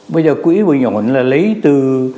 bây giờ quỹ bình ổn là lấy từ